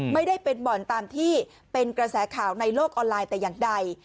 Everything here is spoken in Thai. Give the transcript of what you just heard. ไม่ได้เป็นบ่อนตามที่เป็นกระแสข่าวในโลกออนไลน์แต่อย่างใด